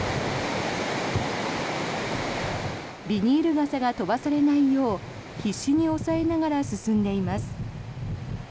ビニール傘が飛ばされないよう必死に押さえながら進んでいます。